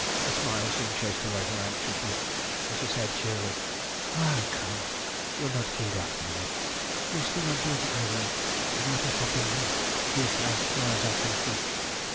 A smile soon chased away her anxious look, and she said cheerily "Ah, come! you're not killed after all. You are still on board the Ariel, and what has happened is this as far as I can see.